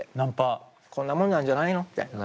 こんなもんなんじゃないのって。